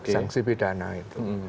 sanksi pidana itu